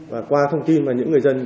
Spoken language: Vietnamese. và qua thông tin mà những người dân